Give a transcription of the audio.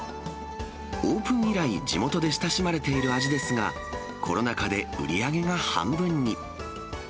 オープン以来、地元で親しまれている味ですが、コロナ禍で売り上げが半分に。